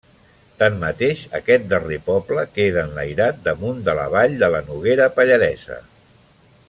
Tanmateix, aquest darrer poble queda enlairat damunt de la vall de la Noguera Pallaresa.